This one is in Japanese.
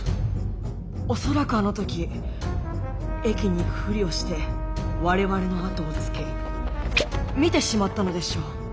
恐らくあの時駅に行くふりをして我々のあとをつけ見てしまったのでしょう。